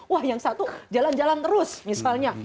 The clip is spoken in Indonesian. wah yang satu jalan jalan terus misalnya